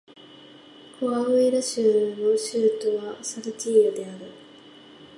コアウイラ州の州都はサルティーヨである